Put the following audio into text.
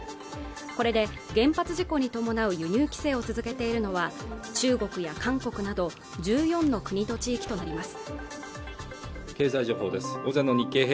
これで原発事故に伴う輸入規制を続けているのは中国や韓国など１４の国と地域となります